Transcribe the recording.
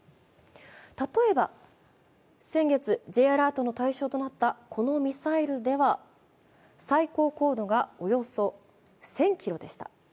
例えば先月、Ｊアラートの対象となったこのミサイルでは、最高高度がおよそ１０００ｋｍでした。